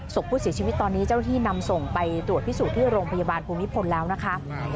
ศพผู้เสียชีวิตตอนนี้เจ้าหน้าที่นำส่งไปตรวจพิสูจน์ที่โรงพยาบาลภูมิพลแล้วนะคะ